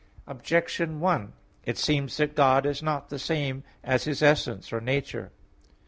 Objection 1: It seems that God is not the same as His essence or nature.